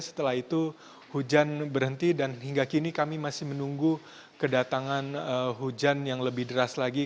setelah itu hujan berhenti dan hingga kini kami masih menunggu kedatangan hujan yang lebih deras lagi